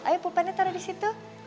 ayo pupannya taruh di situ